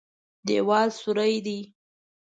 دېوال سوری دی.